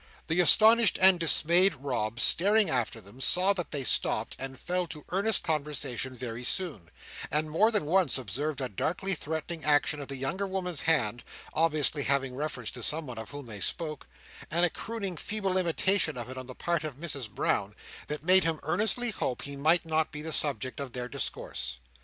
The astonished and dismayed Rob staring after them, saw that they stopped, and fell to earnest conversation very soon; and more than once observed a darkly threatening action of the younger woman's hand (obviously having reference to someone of whom they spoke), and a crooning feeble imitation of it on the part of Mrs Brown, that made him earnestly hope he might not be the subject of their discourse.